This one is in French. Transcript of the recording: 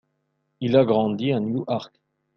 Il a grandi à Newark.